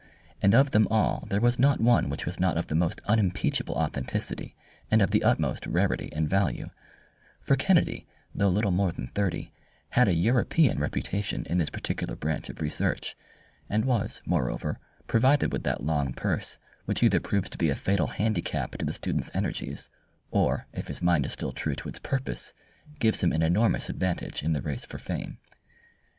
And of them all there was not one which was not of the most unimpeachable authenticity, and of the utmost rarity and value; for Kennedy, though little more than thirty, had a European reputation in this particular branch of research, and was, moreover, provided with that long purse which either proves to be a fatal handicap to the student's energies, or, if his mind is still true to its purpose, gives him an enormous advantage in the race for fame.